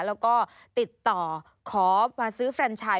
แล้วก็ติดต่อขอมาซื้อแฟนชาย